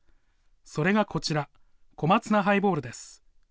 それがこちら、小松菜ハイボールです。